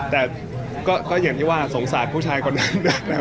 แต่ก็อย่างที่ว่าสงสัยผู้ชายคนนั้น